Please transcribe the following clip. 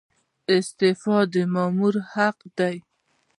استعفا د مامور حق دی